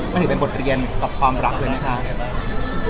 มันถือดเบอร์ประเรียนกับความรับเพื่อนไหมคะ